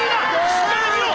しっかり見ろ！